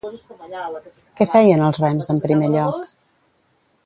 Què feien els rems en primer lloc?